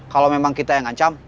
kalau memang kita yang ngancam